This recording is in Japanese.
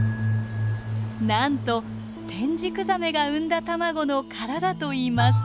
なんとテンジクザメが産んだ卵の殻だといいます。